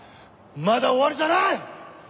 まだ終わりじゃない！！